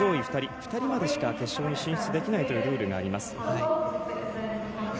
２人までしか決勝に進出できないというルールがあります。